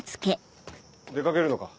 出掛けるのか？